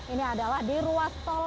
ini adalah di ruas tol